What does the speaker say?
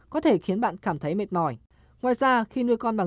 có thể khiến bạn cảm thấy mệt mỏi